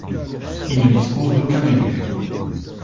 Il ne dispose d'aucun élu.